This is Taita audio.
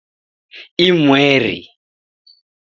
Imweri